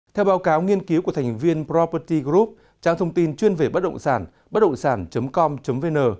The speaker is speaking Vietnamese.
theo báo cáo nghiên cứu của thành viên property group trang thông tin chuyên về bất động sản bất động sản com vn